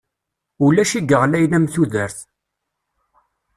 Ulac i iɣlayen am tudert.